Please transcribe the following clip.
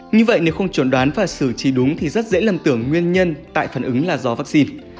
như vậy nếu không chuẩn đoán và xử trí đúng thì rất dễ lầm tưởng nguyên nhân tại phản ứng là do vaccine